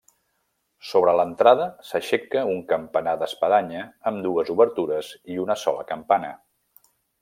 Sobre l'entrada s'aixeca un campanar d'espadanya amb dues obertures i una sola campana.